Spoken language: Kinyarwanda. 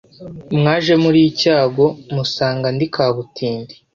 mwaje muri icyago musanga ndi kabutindi,